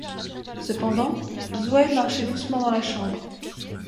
Cependant, Zoé marchait doucement dans la chambre.